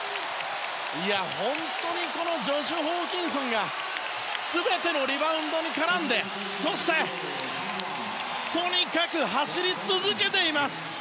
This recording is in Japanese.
本当にこのジョシュ・ホーキンソンが全てのリバウンドに絡んでとにかく走り続けています。